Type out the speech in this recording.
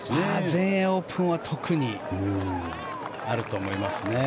全英オープンは特にあると思いますね。